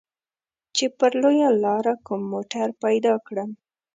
چې پر لويه لاره کوم موټر پيدا کړم.